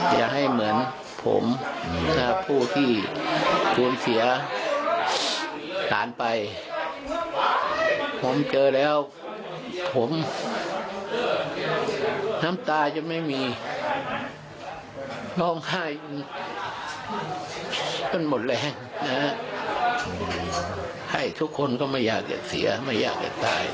ร้องไห้มันหมดแรงนะครับให้ทุกคนก็ไม่อยากจะเสียไม่อยากจะตาย